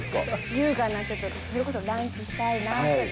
優雅なちょっと、それこそランチしたいなとか。